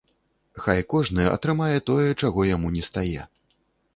Хай кожны атрымае тое, чаго яму нестае.